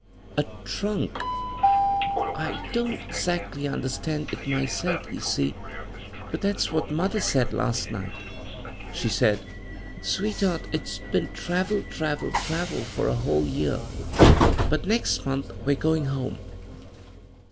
•' A trunk. 1 — I don't 'zactly understand it myself, you see, but that's what mother said last night She said :' Sweetheart, it's been travel, travel, travel, for a whole year ; but next month we're going home.